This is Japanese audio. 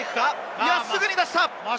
いや、すぐに出した！